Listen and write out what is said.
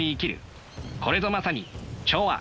これぞまさに調和！